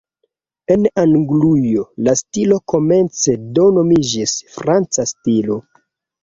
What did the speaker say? En Anglujo la stilo komence do nomiĝis "franca stilo".